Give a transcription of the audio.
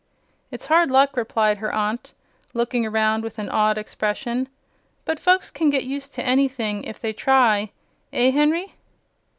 "It's hard luck," replied her aunt, looking around with an awed expression; "but folks can get used to anything, if they try. Eh, Henry?"